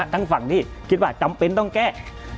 ทั้งฝั่งที่คิดว่าจำเป็นต้องแก้